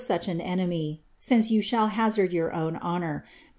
'h an enemy, since you shall hazard v Lin ono r, he i.